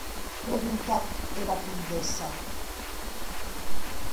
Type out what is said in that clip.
Preguntèc era comdessa.